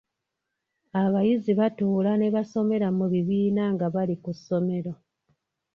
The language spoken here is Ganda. Abayizi batuula ne basomera mu bibiina nga bali ku ssomero.